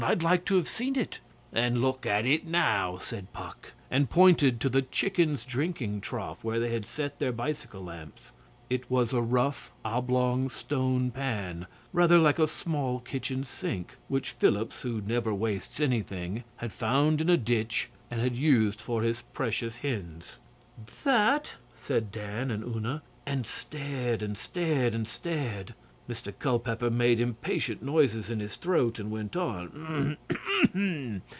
I'd like to have seen it.' 'Then look at it now,' said Puck, and pointed to the chickens' drinking trough where they had set their bicycle lamps. It was a rough, oblong stone pan, rather like a small kitchen sink, which Phillips, who never wastes anything, had found in a ditch and had used for his precious hens. 'That?' said Dan and Una, and stared, and stared, and stared. Mr Culpeper made impatient noises in his throat and went on.